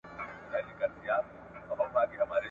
چي نه شرنګ وي د سازیانو نه مستي وي د رندانو ,